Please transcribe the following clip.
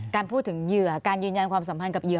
การพูดถึงเหยื่อการยืนยันความสัมพันธ์กับเหยื